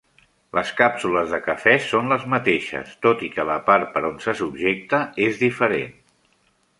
Les càpsules de cafè són les mateixes, tot i que la part per on se subjecta és diferent.